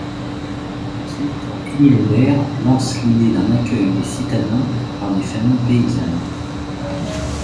Le sénateur Émile Aubert lance l'idée d'un accueil des citadins pars des familles paysannes.